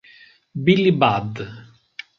Billy Budd